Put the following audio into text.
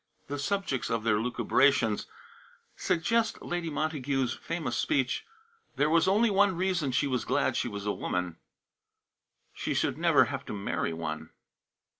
The subjects of their lucubrations suggest Lady Montagu's famous speech: "There was only one reason she was glad she was a woman: she should never have to marry one."